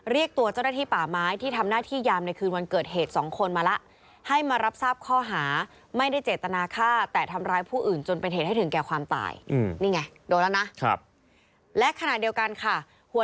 เรียกตัวเจ้าหน้าที่ป่าไม้ที่ทำหน้าที่ยามในคืนวันเกิดเหตุสองคนมาล่ะ